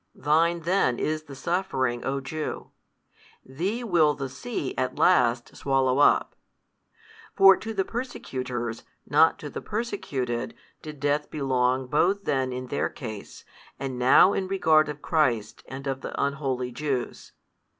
Thine then is the suffering, O Jew: thee will the sea at last swallow up. For to the persecutors, not to the persecuted did death belong both then in their case, and now in regard of Christ and of the unholy Jews.